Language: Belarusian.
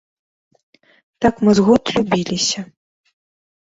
Так мы з год любіліся.